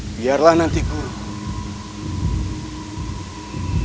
biarlah nanti guru